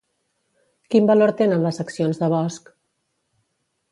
Quin valor tenen les accions de Bosch?